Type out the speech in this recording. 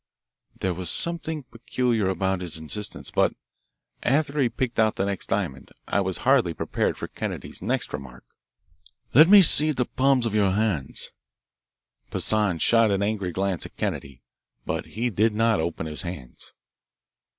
There was something peculiar about his insistence, but after he picked out the next diamond I was hardly prepared for Kennedy's next remark. "Let me see the palms of your hands." Poissan shot an angry glance at Kennedy, but he did not open his hands.